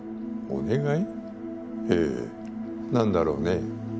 へぇ何だろうね？